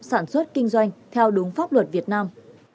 sản xuất kinh doanh theo đúng pháp luật việt nam